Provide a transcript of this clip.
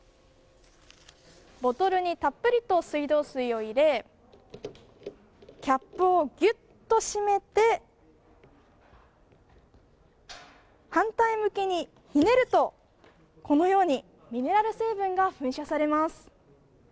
ボトルにたっぷりと水道水を入れてキャップをぎゅっと締めて反対向きにひねるとこのようにミネラル成分が噴射されます。